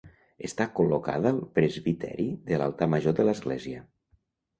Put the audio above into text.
Està col·locada al presbiteri de l'altar major de l'església.